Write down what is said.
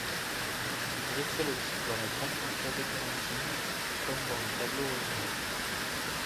Il excelle aussi dans la grande peinture décorative comme dans les tableaux religieux.